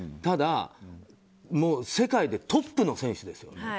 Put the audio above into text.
ただ、世界でトップの選手ですよ。